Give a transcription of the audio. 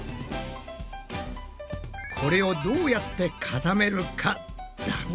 これをどうやって固めるかだな。